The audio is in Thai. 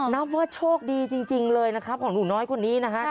นับว่าโชคดีจริงเลยนะครับของหนูน้อยคนนี้นะฮะ